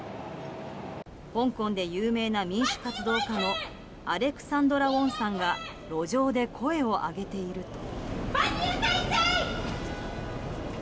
香港で有名な民主活動家のアレクサンドラ・ウォンさんが路上で声を上げていると。